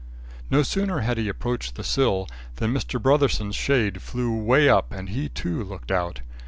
No sooner had he approached the sill than Mr. Brotherson's shade flew way up and he, too, looked out.